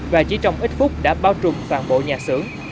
và chỉ trong ít phút đã bao trùm toàn bộ nhà xưởng